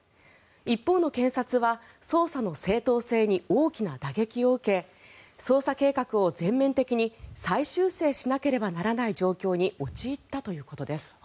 一方の検察は捜査の正当性に大きな打撃を受け捜査計画を全面的に再修正しなければならない状況に陥ったということです。